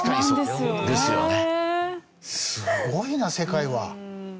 すごいな世界は。